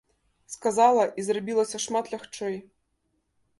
Сказала, і зрабілася шмат лягчэй.